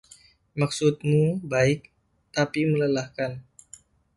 Maksudmu baik, tapi melelahkan.